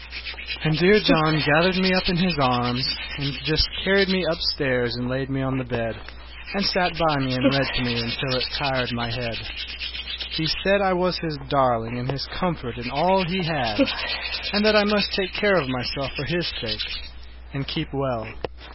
And dear John gathered me up in his arms, and just carried me upstairs and laid me on the bed, and sat by me and read to me till it tired my head. He said I was his darling and his comfort and all he had, and that I must take care of myself for his sake, and keep well.